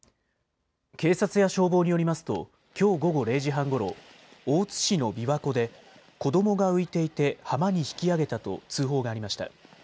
警察や消防によりますときょう午後０時半ごろ、大津市のびわ湖で子どもが浮いていて浜に引き上げたと通報がありました。